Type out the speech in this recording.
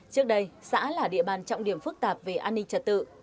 trước đây xã là địa bàn trọng điểm phức tạp về an ninh trật tự